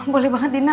boleh banget dina